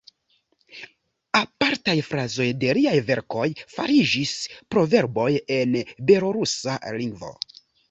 Apartaj frazoj de liaj verkoj fariĝis proverboj en belorusa lingvo.